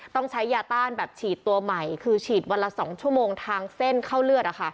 ต้องใช้ยาต้านแบบฉีดตัวใหม่คือฉีดวันละ๒ชั่วโมงทางเส้นเข้าเลือด